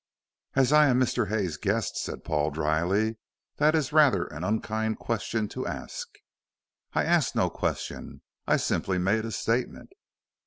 "As I am Mr. Hay's guest," said Paul, dryly, "that is rather an unkind question to ask." "I asked no question. I simply make a statement."